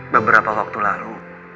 beberapa waktu lalu